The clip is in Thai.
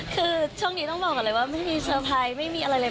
คือช่วงนี้ต้องบอกก่อนเลยว่าไม่มีเซอร์ไพรส์ไม่มีอะไรเลย